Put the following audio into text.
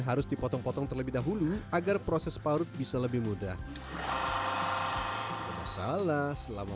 harus dipotong potong terlebih dahulu agar proses parut bisa lebih mudah masalah selama